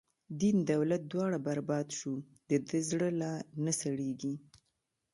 دین دولت دواړه بر باد شو، د ده زړه لا نه سړیږی